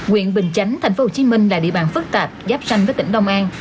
quyện bình chánh tp hcm là địa bàn phức tạp giáp xanh với tỉnh đông an